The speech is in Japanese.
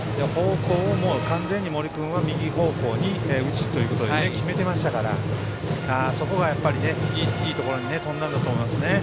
完全に森君は右方向に打つと決めていましたからいいところに飛んだんだと思います。